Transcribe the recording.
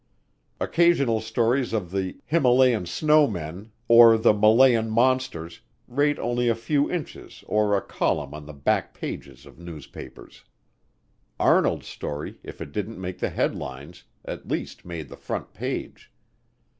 Occasional stories of the "Himalayan snowmen," or the "Malayan monsters," rate only a few inches or a column on the back pages of newspapers. Arnold's story, if it didn't make the headlines, at least made the front page.